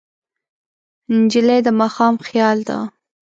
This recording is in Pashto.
نجلۍ د ماښام خیال ده.